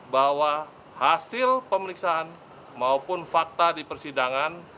bahwa hasil pemeriksaan maupun fakta di persidangan